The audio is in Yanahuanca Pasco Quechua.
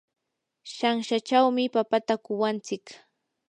shanshachawmi papata kuwantsik.